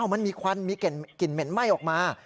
มันมีควันมีกลิ่นเหม็นไหม้ออกมา